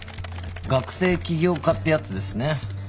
学生起業家ってやつですね。